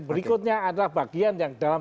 berikutnya adalah bagian yang dalam